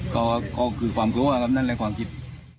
ก็คือความโกรธกับนั่นเลยความคิด